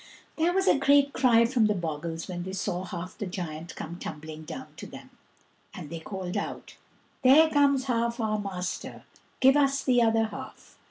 There was a great cry from the bogles when they saw half the giant come tumbling down to them, and they called out, "There comes half our master, give us the other half."